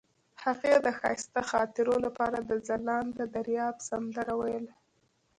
هغې د ښایسته خاطرو لپاره د ځلانده دریاب سندره ویله.